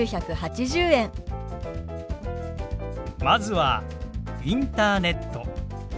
まずは「インターネット」。